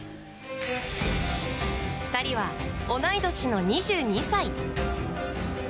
２人は同い年の２２歳。